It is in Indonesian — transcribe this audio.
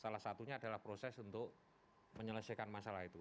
salah satunya adalah proses untuk menyelesaikan masalah itu